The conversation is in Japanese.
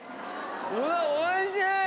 うわおいしい！